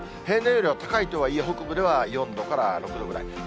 平年よりは高いとはいえ、北部では４度から６度ぐらい。